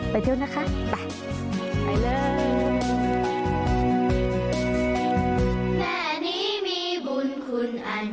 ไปเที่ยวนะคะไป